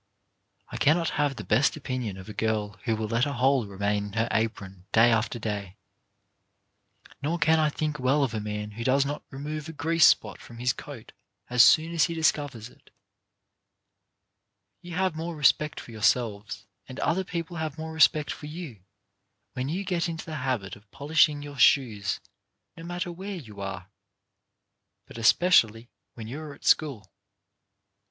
I cannot have the best opinion of a girl who will let a hole remain in her apron day after day. Nor can I think well of a man who does not remove a grease spot from his coat as soon as he discovers it. SOME GREAT LITTLE THINGS 177 You have more respect for yourselves, and other people have more respect for you, when you get into the habit of polishing your shoes, no matter where you are, but especially when you are at school.